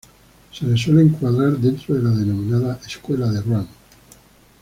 Se le suele encuadrar dentro de la denominada Escuela de Ruan.